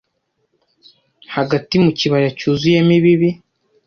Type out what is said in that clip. hagati mu kibaya cyuzuyemo ibibi